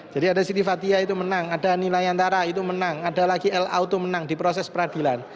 jadi ada siti fathia itu menang ada nilai antara itu menang ada lagi el auto menang di proses peradilan